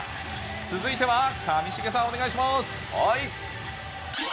続いては上重さん、お願いします。